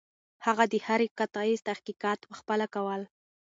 هغه د هرې قطعې تحقیقات پخپله کول.